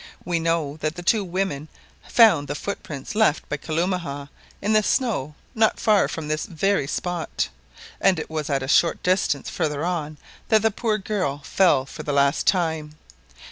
We know that the two women found the footprints left by Kalumah in the snow not far from this very spot, and it was at a short distance farther on that the poor girl fell for the last time.